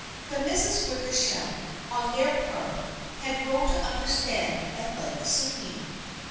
The Misses Wickersham, on their part, had grown to understand and like Sydney.